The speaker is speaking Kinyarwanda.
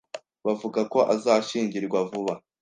Bavuga ko azashyingirwa vuba.